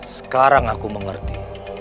sekarang aku mengerti